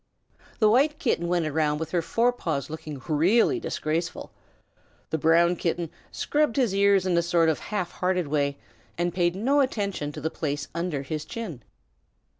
The White Kitten went around with her fore paws looking really disgraceful. The Brown Kitten scrubbed his ears in a sort of half hearted way, and paid no attention to the place under his chin.